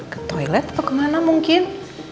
ke toilet atau kemana mungkin